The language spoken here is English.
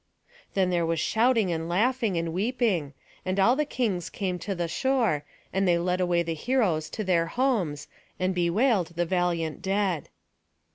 Then there was shouting and laughing, and weeping; and all the kings came to the shore, and they led away the heroes to their homes, and bewailed the valiant dead.